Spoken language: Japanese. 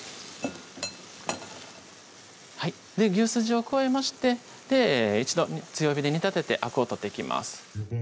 牛すじを加えまして一度強火で煮立ててアクを取っていきます